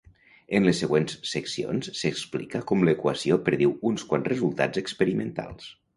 En les següents seccions s'explica com l'equació prediu uns quants resultats experimentals.